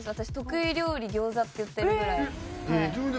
私得意料理餃子って言ってるぐらい。